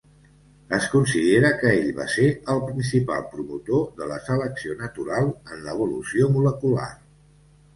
Es considera que ell va ser el principal promotor de la selecció natural en l'evolució molecular.